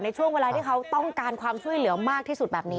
ช่วงเวลาที่เขาต้องการความช่วยเหลือมากที่สุดแบบนี้